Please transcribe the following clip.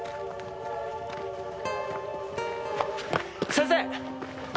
先生！